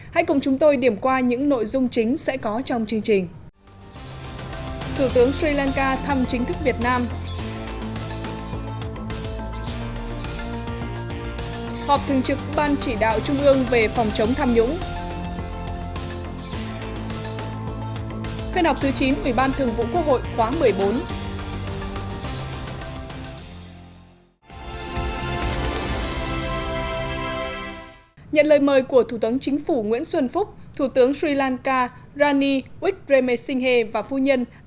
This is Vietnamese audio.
hãy cùng chúng tôi điểm qua những nội dung chính sẽ có trong chương trình